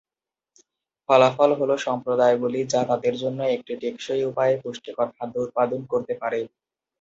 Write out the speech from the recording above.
ফলাফল হ'ল সম্প্রদায়গুলি যা তাদের জন্য একটি টেকসই উপায়ে পুষ্টিকর খাদ্য উৎপাদন করতে পারে।